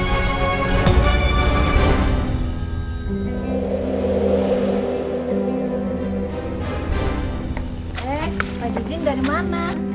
eh pak cici dari mana